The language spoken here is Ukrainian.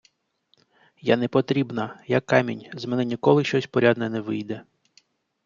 Я непотрібна, я камінь, з мене ніколи щось порядне не вийде!